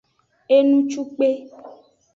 Enucukpe.